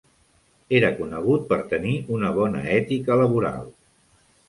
Era conegut per tenir una bona ètica laboral.